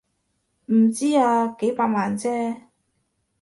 唔知啊，幾百萬啫